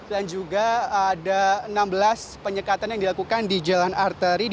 dan juga ada enam belas penyegatan yang dilakukan di jalan arteri